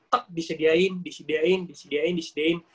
tuk disediain disediain disediain disediain